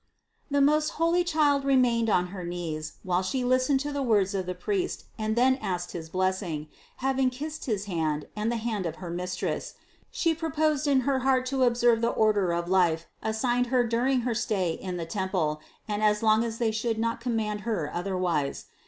471. The most holy Child remained on her knees, while She listened to the words of the priest and then asked his blessing; having kissed his hand and the hand of her mis tress, She proposed in her heart to observe the order of life assigned Her during her stay in the temple and as long as they should not command her otherwise.